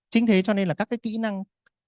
chính thế cho nên là các cái kĩ năng